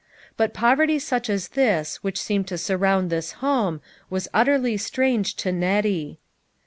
But poverty such as this which seemed to surround this home was utterly strange to Nettie.